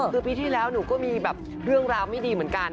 คือปีที่แล้วหนูก็มีแบบเรื่องราวไม่ดีเหมือนกัน